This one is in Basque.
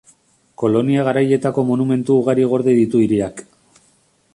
Kolonia garaietako monumentu ugari gorde ditu hiriak.